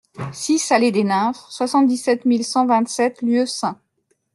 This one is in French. six allée des Nymphes, soixante-dix-sept mille cent vingt-sept Lieusaint